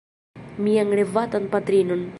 Mian revatan patrinon.